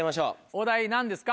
お題何ですか？